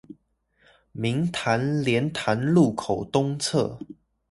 明潭蓮潭路口東側